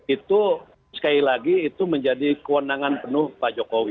itu sekali lagi itu menjadi kewenangan penuh pak jokowi